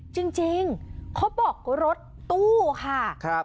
จริงเขาบอกรถตู้ค่ะ